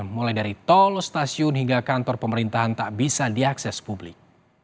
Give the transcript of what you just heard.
mulai dari tol stasiun hingga kantor pemerintahan tak bisa diakses publik